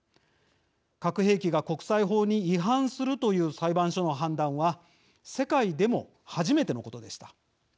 核兵器が国際法に違反するという裁判所の判断は世界でも初めてのことでした。